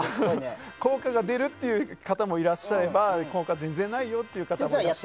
効果が出るという方もいらっしゃれば効果が全然ないよという方も。